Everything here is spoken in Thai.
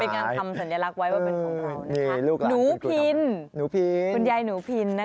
เป็นการทำสัญลักษณ์ไว้ว่าเป็นของเรานะครับหนูพินคุณยายหนูพินนะคะ